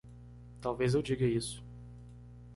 Talvez eu diga isso.